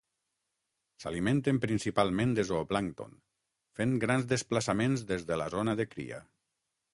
S'alimenten principalment de zooplàncton fent grans desplaçaments des de la zona de cria.